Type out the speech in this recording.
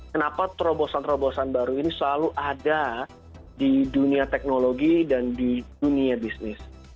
kenapa terobosan terobosan baru ini selalu ada di dunia teknologi dan di dunia bisnis